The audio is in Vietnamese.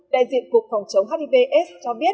đại diện cục phòng chống hiv aids cho biết